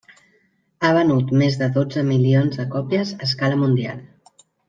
Ha venut més de dotze milions de còpies a escala mundial.